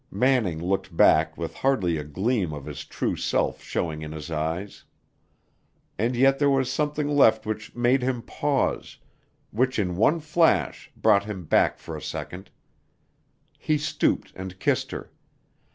Manning looked back with hardly a gleam of his true self showing in his eyes. And yet there was something left which made him pause which in one flash brought him back for a second. He stooped and kissed her.